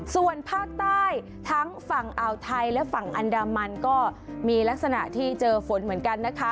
ส่วนภาคใต้ทั้งฝั่งอ่าวไทยและฝั่งอันดามันก็มีลักษณะที่เจอฝนเหมือนกันนะคะ